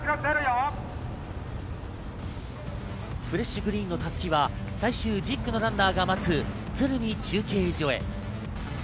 フレッシュグリーンの襷は最終１０区のランナーが待つ、鶴見中継所へ。